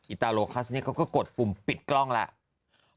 ตาโลคัสเนี่ยเขาก็กดปุ่มปิดกล้องแล้ว